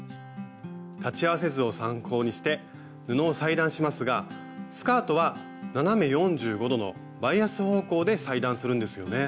裁ち合わせ図を参考にして布を裁断しますがスカートは斜め４５度のバイアス方向で裁断するんですよね？